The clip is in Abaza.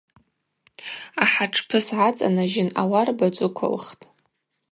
Ахӏатшпы сгӏацӏанажьын ауарба джвыквылхтӏ.